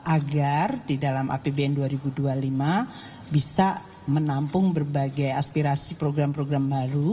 agar di dalam apbn dua ribu dua puluh lima bisa menampung berbagai aspirasi program program baru